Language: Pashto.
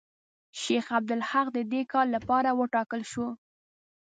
شیخ عبدالحق د دې کار لپاره وټاکل شو.